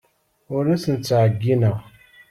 Ur asen-ttɛeyyineɣ.